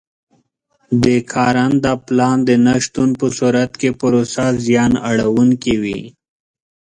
د کارنده پلان د نه شتون په صورت کې پروسه زیان اړوونکې وي.